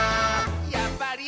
「やっぱり！